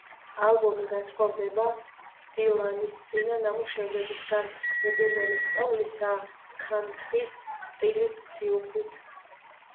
ალბომი განსხვავდება დილანის წინა ნამუშევრებისგან, უპირველეს ყოვლისა, ქანთრის სტილის სიუხვით.